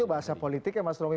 itu bahasa politik ya mas romi